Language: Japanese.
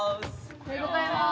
おはようございます。